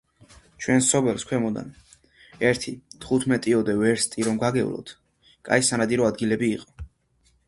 ჩვენს სოფელს ქვემოდამ ერთი თხუთმეტიოდე ვერსტი რომ გაგევლოთ, კაი სანადირო ადგილები იყო.